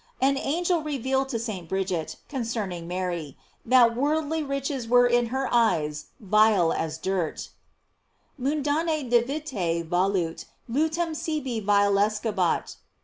An angel revealed to St. Bridget concerning Mary, that worldly riches were in her eyes vile as dirt: "Mundanse divit» velut lutum sibi vilescebat."